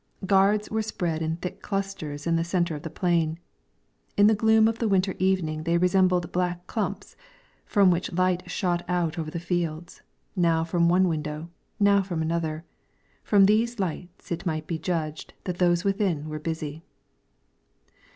Gards were spread in thick clusters in the centre of the plain; in the gloom of the winter evening they resembled black clumps, from which light shot out over the fields, now from one window, now from another; from these lights it might be judged that those within were busy.